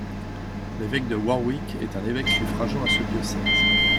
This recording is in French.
L'évêque de Warwick est un évêque suffragant à ce diocèse.